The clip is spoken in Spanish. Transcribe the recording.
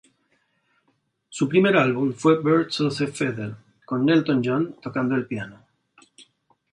Su primer álbum fue "Birds of a Feather", con Elton John tocando el piano.